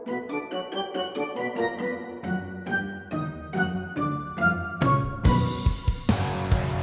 tidak ada hubungan apa apa